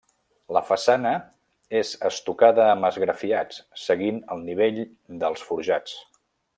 La façana és estucada amb esgrafiats seguint el nivell dels forjats.